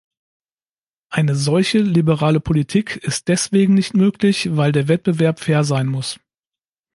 Eine solche liberale Politik ist deswegen nicht möglich, weil der Wettbewerb fair sein muss.